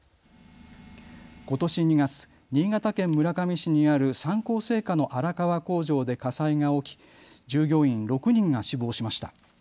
ことし２月、新潟県村上市にある三幸製菓の荒川工場で火災が起き従業員６人が死亡しました。